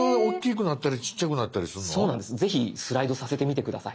ぜひスライドさせてみて下さい。